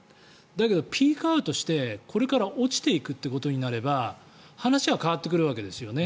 だけど、ピークアウトしてこれから落ちていくということになれば話は変わってくるわけですよね。